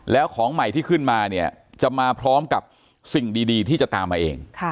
แล้วของใหม่ที่ขึ้นมาเนี่ยจะมาพร้อมกับสิ่งดีที่จะตามมาเอง